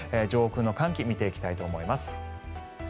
上空の寒気を見ていきたいと思います。